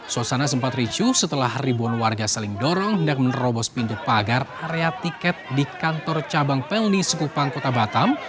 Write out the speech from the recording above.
suasana sempat ricu setelah ribuan warga saling dorong hendak menerobos pintu pagar area tiket di kantor cabang pelni sekupang kota batam